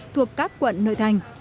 thuộc các quận nội thành